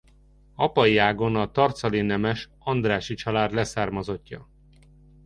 Apai ágon a tarcali nemes Andrássy család leszármazottja.